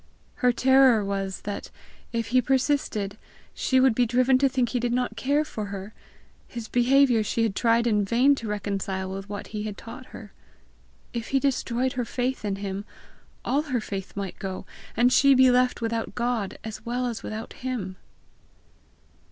Her terror was, that, if he persisted, she would be driven to think he did not care for her; his behaviour she had tried in vain to reconcile with what he had taught her; if he destroyed her faith in him, all her faith might go, and she be left without God as well as without him!